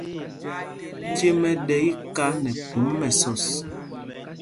Cêm ɛ ɗɛ iká nɛ phum mɛsɔs.